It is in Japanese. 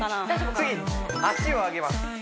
次足を上げます